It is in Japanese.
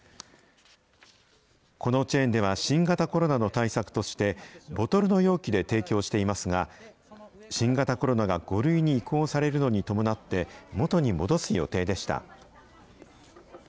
このチェーンでは、新型コロナの対策として、ボトルの容器で提供していますが、新型コロナが５類に移行されるのに伴って、元に戻す予定でした。